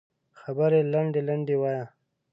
خبرې لنډې لنډې وایه